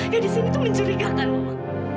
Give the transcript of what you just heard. ya disini tuh mencurigakan mama